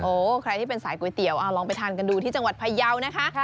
ใครที่เป็นสายก๋วยเตี๋ยวลองไปทานกันดูที่จังหวัดพยาวนะคะ